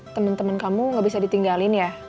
temen temen kamu gak bisa ditinggalin ya